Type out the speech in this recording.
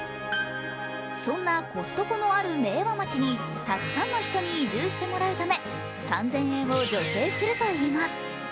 そんなコストコのある明和町にたくさんの人に移住してもらうため３０００円を助成するといいます。